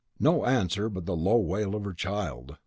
No answer but the low wail of her child.